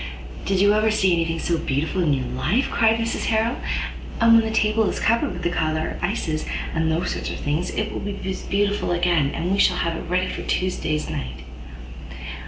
"Did you ever see any thing so beautiful in your life?" cried Mrs Harrel; "and when the table is covered with the coloured ices and those sort of things, it will be as beautiful again. We shall have it ready for Tuesday se'nnight.